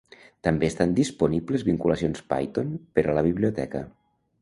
També estan disponibles vinculacions Python per a la biblioteca.